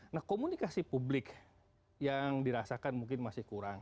nah komunikasi publik yang dirasakan mungkin masih kurang